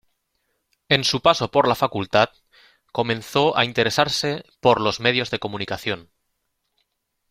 En su paso por la facultad, comenzó a interesarse por los medios de comunicación.